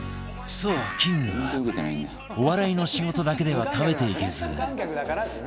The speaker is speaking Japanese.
そうキングはお笑いの仕事だけでは食べていけず